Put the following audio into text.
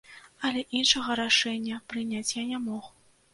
Але іншага рашэння прыняць я не мог.